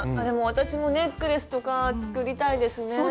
でも私もネックレスとか作りたいですね。